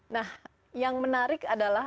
nah yang menarik adalah